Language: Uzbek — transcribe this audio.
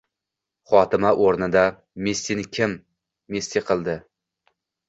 Xotima o‘rnida – “Messini kim Messi qildi?”